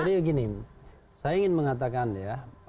jadi begini saya ingin mengatakan ya